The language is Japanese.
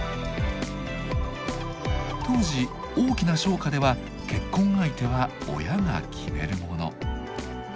当時大きな商家では結婚相手は親が決めるもの。